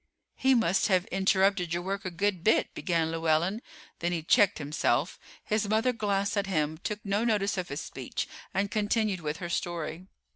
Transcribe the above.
"He must have interrupted your work a good bit," began Llewellyn, then he checked himself. His mother glanced at him, took no notice of his speech, and continued with her story.